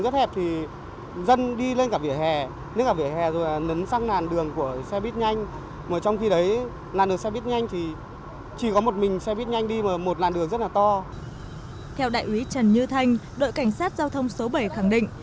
theo đại úy trần như thanh đội cảnh sát giao thông số bảy khẳng định